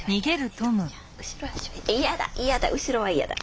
嫌だ嫌だ後ろは嫌だ。